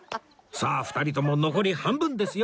さあ２人とも残り半分ですよ！